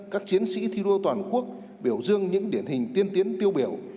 các chiến sĩ thi đua toàn quốc biểu dương những điển hình tiên tiến tiêu biểu